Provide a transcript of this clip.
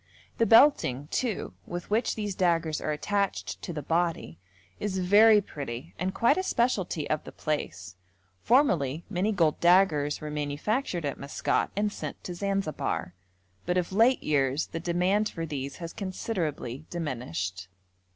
The belting, too, with which these daggers are attached to the body, is very pretty and quite a specialty of the place; formerly many gold daggers were manufactured at Maskat and sent to Zanzibar, but of late years the demand for these has considerably diminished.